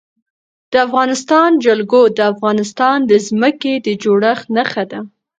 د افغانستان جلکو د افغانستان د ځمکې د جوړښت نښه ده.